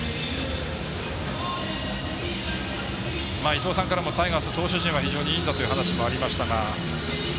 伊東さんからも、タイガース投手陣は非常にいいんだという話もありましたが。